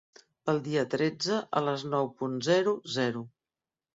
Pel dia tretze a les nou punt zero zero.